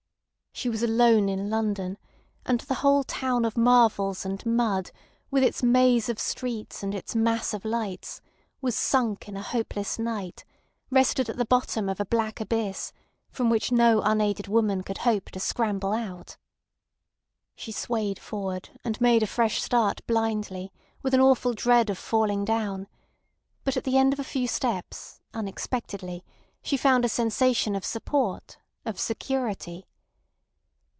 She was alone in London: and the whole town of marvels and mud, with its maze of streets and its mass of lights, was sunk in a hopeless night, rested at the bottom of a black abyss from which no unaided woman could hope to scramble out. She swayed forward, and made a fresh start blindly, with an awful dread of falling down; but at the end of a few steps, unexpectedly, she found a sensation of support, of security.